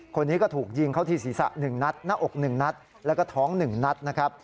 คนนี้ก็ถูกยิงเข้าที่ศีรษะ๑นัดหน้าอก๑นัดแล้วก็ท้อง๑นัดนะครับ